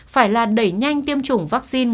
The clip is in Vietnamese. phải là đẩy nhanh tiêm chủng vaccine